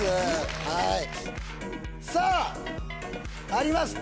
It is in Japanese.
はいさああります